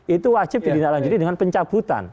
itu wajib ditindaklanjuti dengan pencabutan